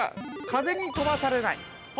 風に飛ばされない。